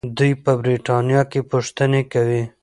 دوی په برتانیا کې پوښتنې کوي.